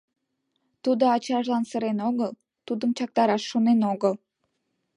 Тудо ачажлан сырен огыл, тудым чактараш шонен огыл.